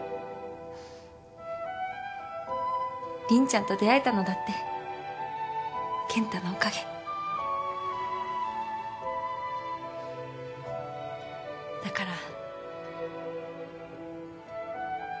凛ちゃんと出会えたのだって健太のおかげ。だから。